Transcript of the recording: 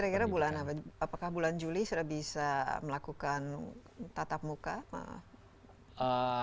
kira kira bulan apakah bulan juli sudah bisa melakukan tatap muka